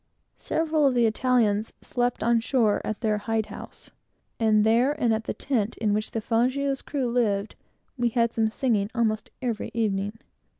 Several of the Italians slept on shore at their hide house; and there, and at the tent in which the Fazio's crew lived, we had some very good singing almost every evening.